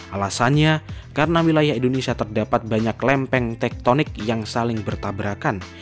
alasannya karena wilayah indonesia terdapat banyak lempeng tektonik yang saling bertabrakan